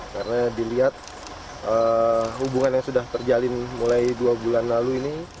karena dilihat hubungan yang sudah terjalin mulai dua bulan lalu ini